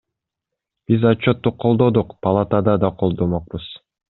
Биз отчетту колдодук, палатада да колдомокпуз.